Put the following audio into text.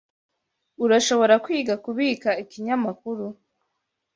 Urashobora kwiga kubika ikinyamakuru.